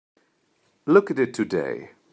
Look at it today.